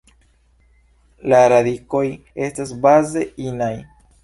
La radikoj estas baze inaj.